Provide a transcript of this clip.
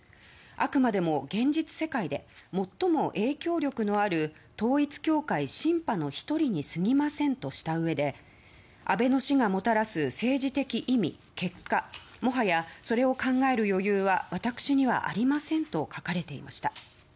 あくまでも現実世界で最も影響力のある統一教会シンパの１人にすぎませんとしたうえで安倍の死がもたらす政治的意味、結果もはやそれを考える余裕は私にはありませんと書かれていました。